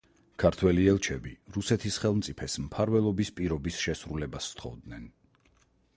ქართველი ელჩები რუსეთის ხელმწიფეს მფარველობის პირობის შესრულებას სთხოვდნენ.